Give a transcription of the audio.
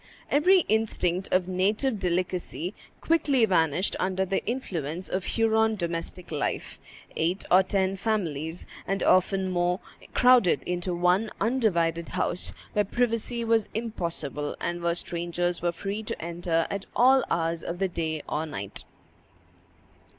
Every instinct of native delicacy quickly vanished under the influence of Huron domestic life; eight or ten families, and often more, crowded into one undivided house, where privacy was impossible, and where strangers were free to enter at all hours of the day or night.